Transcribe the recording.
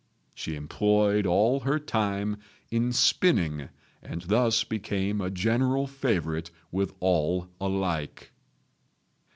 She employed all her time in spinning, and thus became a general favourite with all alike.